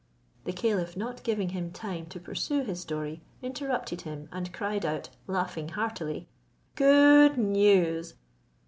The caliph not giving him time to pursue his story, interrupted him, and cried out, laughing heartily, "Good news!